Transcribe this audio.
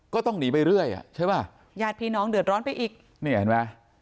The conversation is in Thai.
ก็ต้องหนีไปเรื่อยอ่ะใช่ป่ะญาติพี่น้องเดือดร้อนไปอีกนี่เห็นไหม